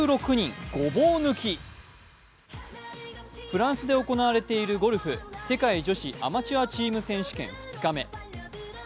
フランスで行われているゴルフ世界女子アマチュアチーム選手権２日目。